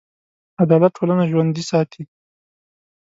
عدالت ټولنه ژوندي ساتي.